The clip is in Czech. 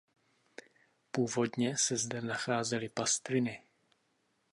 Původně se zde nacházely pastviny.